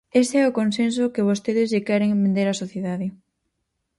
Ese é o consenso que vostedes lle queren vender á sociedade.